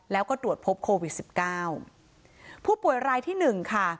แล้วก็ตรวจพบโควิดสิบเก้าผู้ป่วยรายที่หนึ่งค่ะ